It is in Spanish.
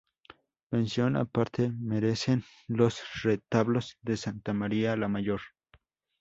Mención aparte merecen los retablos de Santa María la Mayor.